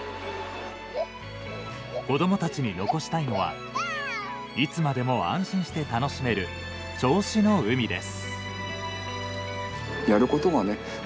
子どもたちに残したいのはいつまでも安心して楽しめる銚子の海です。